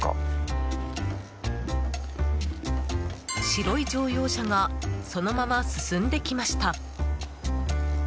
白い乗用車がそのまま進んできました。